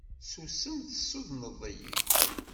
Susem tessudneḍ-iyi.